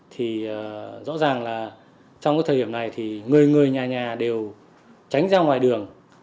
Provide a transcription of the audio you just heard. thì rõ ràng là trong cái thời điểm này thì người người nhà nhà đều tránh ra ngoài đường